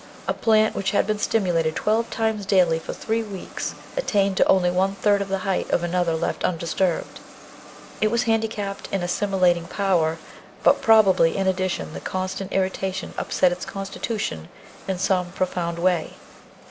A plant which had been stimulated twelve times daily for three weeks attained to only one third of the height of another left undisturbed. It was handicapped in assimilating power, but probably, in addition, the constant irrita tion upset its constitution in some profound way.